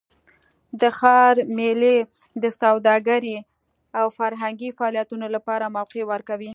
د ښار میلې د سوداګرۍ او فرهنګي فعالیتونو لپاره موقع ورکوي.